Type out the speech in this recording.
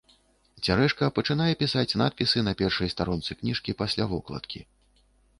Цярэшка пачынае пісаць надпісы на першай старонцы кніжкі пасля вокладкі.